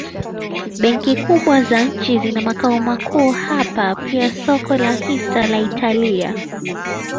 Benki kubwa za nchi zina makao makuu hapa pia soko la hisa la Italia.